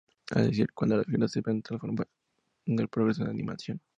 Es decir, cuando las figuras se van transformando durante el progreso de animación.